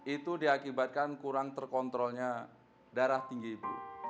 itu diakibatkan kurang terkontrolnya darah tinggi ibu